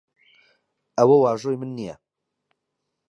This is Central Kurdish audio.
ئەوە واژووی من نییە.